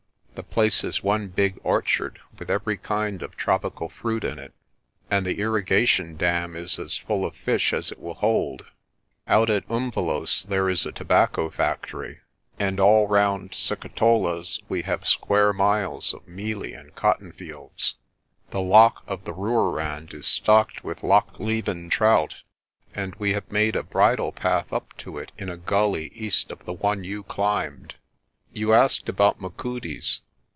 The place is one big orchard with every kind of tropical fruit in it, and the irrigation dam is as full of fish as it will hold. Out at Umvelos' there is a tobacco factory, and all round Sikitola's we have square miles of mealie and cotton fields. The loch on the Rooirand is stocked with Lochleven trout, and we have made a bridle path up to it in a gully east of the one you climbed. You 272 PRESTER JOHN asked about Machudi's.